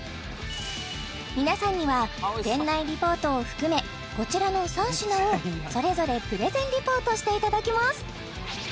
皆さんには店内リポートを含めこちらの３品をそれぞれプレゼンリポートしていただきます